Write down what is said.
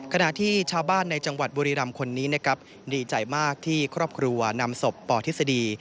ขณะที่ชาวบ้านในจังหวัดบุรีรำคนนี้นะครับดีใจมากที่ครอบครัวนำศพปทฤษฎี